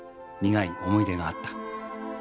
苦い思い出があった。